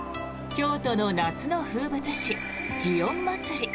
京都の夏の風物詩、祇園祭。